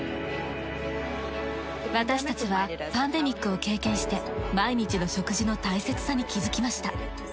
私たちはパンデミックを経験して毎日の食事の大切さに気づきました。